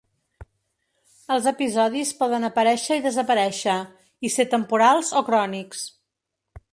Els episodis poden aparèixer i desaparèixer, i ser temporals o crònics.